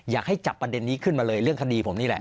อยากให้จับประเด็นนี้ขึ้นมาเลยเรื่องคดีผมนี่แหละ